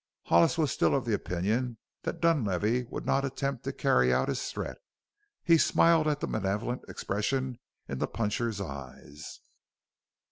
Hollis was still of the opinion that Dunlavey would not attempt to carry out his threat. He smiled at the malevolent expression in the puncher's eyes.